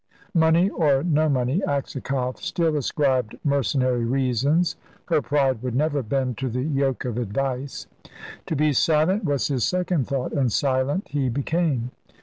Money or no money Aksakoff still ascribed mercenary reasons her pride would never bend to the yoke of advice. To be silent was his second thought, and silent he became.